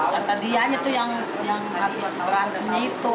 kata dia yang habis berantemnya itu